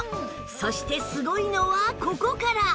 そしてすごいのはここから